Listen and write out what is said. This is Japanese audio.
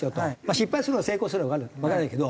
失敗するのか成功するのかわからないけど。